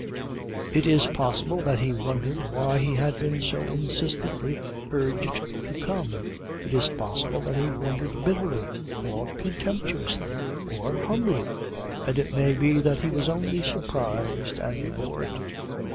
It is possible that he wondered why he had been so insistently urged to come. It is possible that he wondered bitterly or contemptuously or humbly. And it may be that he was only surprised and bored.